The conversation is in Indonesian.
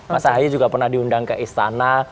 mas ahaye juga pernah diundang ke istana